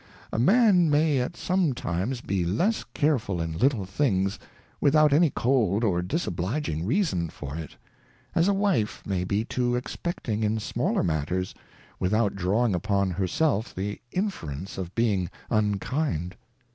A Man may at some times be less careful in little things, without any cold or disobliging Reason for it; as a Wife may be too ex pecting in smaller matters, without drawing upon her self the inference of being unkind.